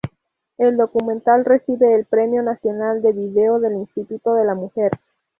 El documental recibe el Premio Nacional de Video del Instituto de la Mujer.